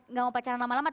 nggak mau pacaran lama lama